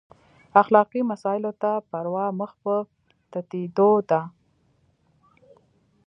اخلاقي مسایلو ته پروا مخ په تتېدو ده.